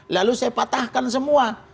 lalu saya patahkan semua